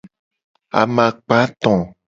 Amakpa eto.